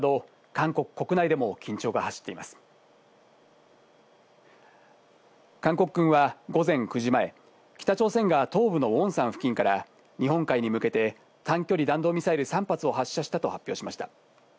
韓国軍は午前９時前、北朝鮮が東部のウォンサン付近から日本海に向けて短距離弾道ミサイル３発を発射したと発表しました。